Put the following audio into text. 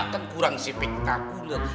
kan kurang espektakuler